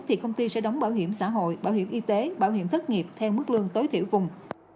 thì công ty sẽ đóng bảo hiểm xã hội bảo hiểm y tế bảo hiểm thất nghiệp theo mức lương tối thiểu vùng